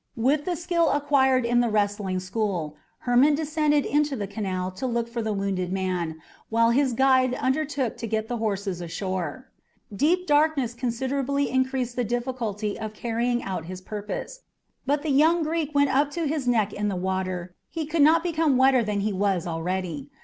With the skill acquired in the wrestling school, Hermon descended into the canal to look for the wounded man, while his guide undertook to get the horses ashore. The deep darkness considerably increased the difficulty of carrying out his purpose, but the young Greek went up to his neck in the water he could not become wetter than he was already.